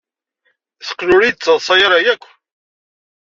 Teqqel ur yi-d-ttaḍṣa ara akk.